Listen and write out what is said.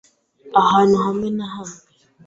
ahantu hamwe na hamwe